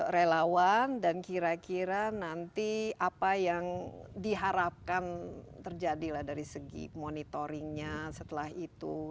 relawan dan kira kira nanti apa yang diharapkan terjadi lah dari segi monitoringnya setelah itu